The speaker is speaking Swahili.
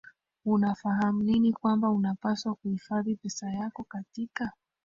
unafahamu nini kwamba unapaswa kuhifadhi pesa yako katika